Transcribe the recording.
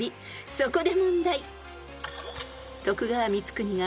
［そこで問題］